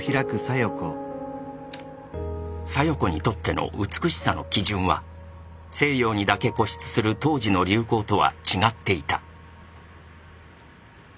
小夜子にとっての美しさの基準は西洋にだけ固執する当時の流行とは違っていた。